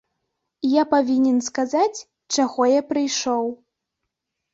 Я павінен сказаць, чаго я прыйшоў.